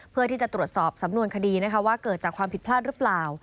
เพื่อที่จะตรวจสอบสำนวนคดีนะคะว่าเกิดจากความผิดพลาดหรือเปล่า